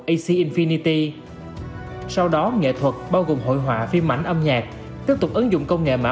ac infinity sau đó nghệ thuật bao gồm hội họa phim ảnh âm nhạc tiếp tục ứng dụng công nghệ mã